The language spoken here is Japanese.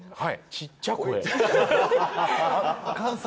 ちっちゃい声。